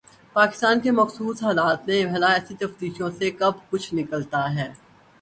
پاکستان کے مخصوص حالات میں بھلا ایسی تفتیشوں سے کب کچھ نکلتا ہے؟